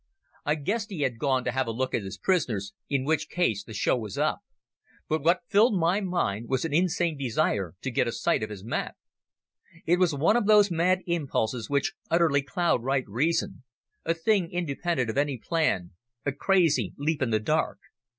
I guessed he had gone to have a look at his prisoners, in which case the show was up. But what filled my mind was an insane desire to get a sight of his map. It was one of those mad impulses which utterly cloud right reason, a thing independent of any plan, a crazy leap in the dark.